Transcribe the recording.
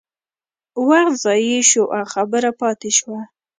وخت ضایع شو او خبره پاتې شوه.